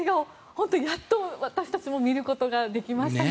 本当にやっと私たちも見ることができましたね。